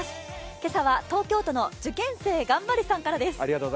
今朝は東京都の受験生ガンバレ！さんからです。